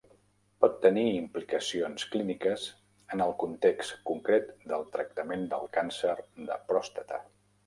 Pot tenir implicacions clíniques en el context concret del tractament del càncer de pròstata.